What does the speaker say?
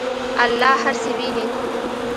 الله هر څه ویني.